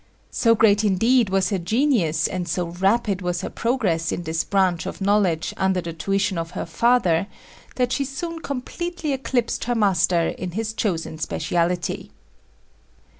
So great indeed was her genius and so rapid was her progress in this branch of knowledge under the tuition of her father that she soon completely eclipsed her master in his chosen specialty.